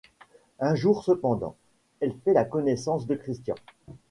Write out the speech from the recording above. Un jour cependant, elle fait la connaissance de Christian.